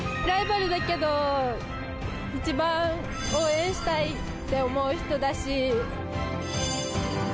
ライバルだけど、一番応援したいって思う人だし。